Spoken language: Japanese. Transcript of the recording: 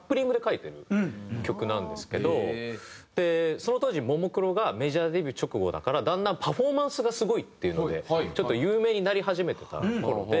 その当時ももクロがメジャーデビュー直後だからだんだんパフォーマンスがすごいっていうのでちょっと有名になり始めてた頃で。